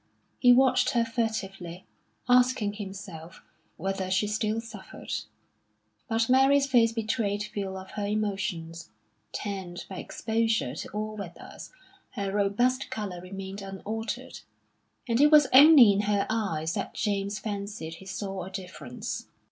He watched her furtively, asking himself whether she still suffered. But Mary's face betrayed few of her emotions; tanned by exposure to all weathers, her robust colour remained unaltered; and it was only in her eyes that James fancied he saw a difference.